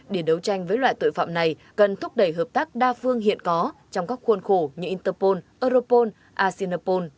để đấu tranh với loại tội phạm này cần thúc đẩy hợp tác đa phương hiện có trong các khuôn khổ như interpol europol asinopol